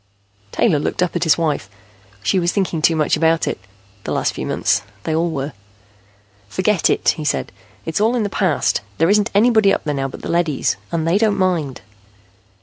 Taylor looked up at his wife. She was thinking too much about it, the last few months. They all were. "Forget it," he said. "It's all in the past. There isn't anybody up there now but the leadys, and they don't mind."